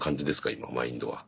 今マインドは。